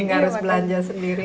gak harus belanja sendiri